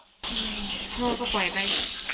ใช่พ่อก็ไหวไป